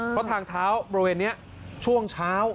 เพราะทางเท้าบริเวณนี้ช่วงเช้า